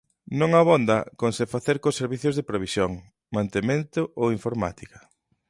Non abonda con se facer cos servizos de provisión, mantemento ou informática.